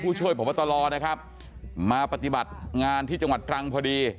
ผู้ช่วยพ่อป้าตรอนะครับมาปฏิบัติงานที่จังหวัดตรังค์พอดี